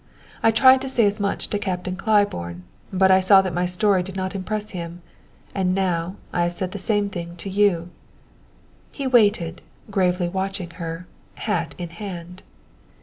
I tried to say as much to Captain Claiborne, but I saw that my story did not impress him. And now I have said the same thing to you " He waited, gravely watching her, hat in hand.